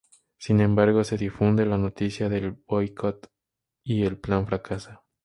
Sin embargo, se difunde la noticia del boicot y el plan fracasa.